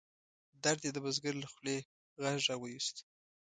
درد یې د بزګر له خولې غږ را ویوست.